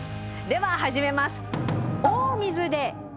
では始めます！